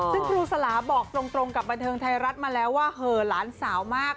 ซึ่งครูสลาบอกตรงกับบันเทิงไทยรัฐมาแล้วว่าเหอะหลานสาวมาก